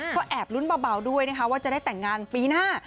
ก็แอบลุ้นเบาด้วยนะคะว่าจะได้แต่งงานปีหน้า